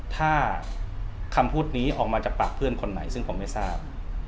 ถ้าคำพูดนี้ออกมาจากปากเพื่อนคนไหนซึ่งผมไม่ทราบ